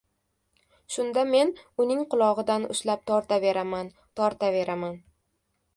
Shunda men uning qulog‘idan ushlab tortaveraman, tortaveraman.